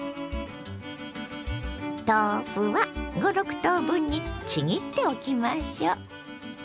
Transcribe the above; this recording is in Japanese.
豆腐は５６等分にちぎっておきましょう。